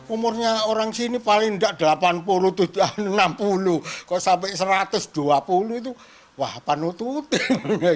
umurnya orang sini paling tidak delapan puluh enam puluh kok sampai satu ratus dua puluh itu wah panut utin